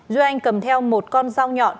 duy anh cầm theo một con dao nhọn